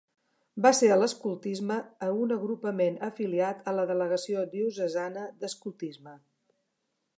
Va ser a l'escoltisme a un agrupament afiliat a la Delegació Diocesana d'Escoltisme.